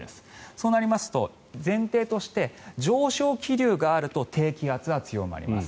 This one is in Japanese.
そうなりますと前提として上昇気流があると低気圧は強まります。